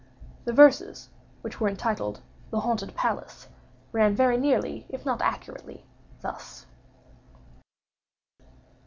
The verses, which were entitled "The Haunted Palace," ran very nearly, if not accurately, thus: I.